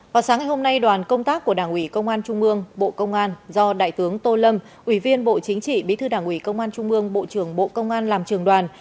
vào sáng ngày hôm nay đoàn công tác của đảng ủy công an trung ương bộ công an do đại tướng tô lâm ủy viên bộ chính trị bí thư đảng ủy công an trung ương bộ trưởng bộ công an làm trường đoàn